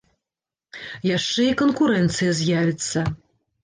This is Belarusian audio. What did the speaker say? Яшчэ і канкурэнцыя з'явіцца.